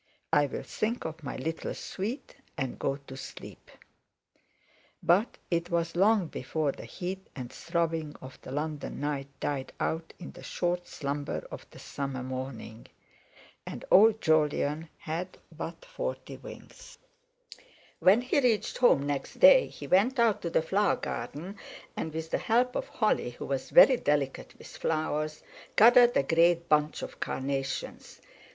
I'll think of my little sweet, and go to sleep." But it was long before the heat and throbbing of the London night died out into the short slumber of the summer morning. And old Jolyon had but forty winks. When he reached home next day he went out to the flower garden, and with the help of Holly, who was very delicate with flowers, gathered a great bunch of carnations.